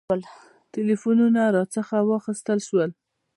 ټلفونونه راڅخه واخیستل شول.